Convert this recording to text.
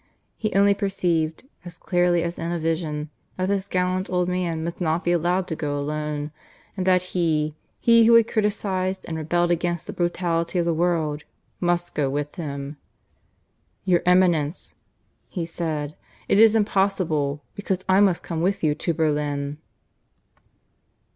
He only perceived, as clearly as in a vision, that this gallant old man must not be allowed to go alone, and that he he who had criticized and rebelled against the brutality of the world must go with him. "Your Eminence," he said, "it is impossible, because I must come with you to Berlin."